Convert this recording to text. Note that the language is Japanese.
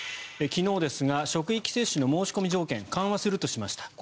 昨日、職域接種の申し込み条件を緩和するとしました。